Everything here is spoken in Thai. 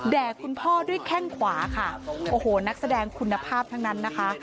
คุณพ่อด้วยแข้งขวาค่ะโอ้โหนักแสดงคุณภาพทั้งนั้นนะคะ